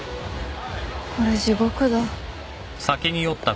これ地獄だ。